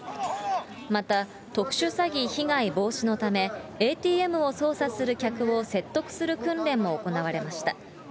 また、特殊詐欺被害防止のため、ＡＴＭを操作する客を説得する訓練も行われました。